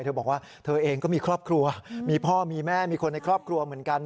เธอบอกว่าเธอเองก็มีครอบครัวมีพ่อมีแม่มีคนในครอบครัวเหมือนกัน